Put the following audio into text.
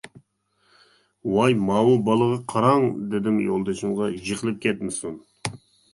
-ۋاي ماۋۇ بالىغا قاراڭ-دېدىم يولدىشىمغا، -يىقىلىپ كەتمىسۇن.